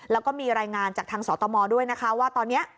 แล้วก็มีรายงานจากทางสตมด้วยนะคะว่าตอนนี้